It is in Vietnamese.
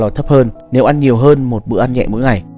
nó thấp hơn nếu ăn nhiều hơn một bữa ăn nhẹ mỗi ngày